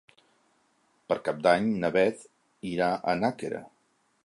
Per Cap d'Any na Beth irà a Nàquera.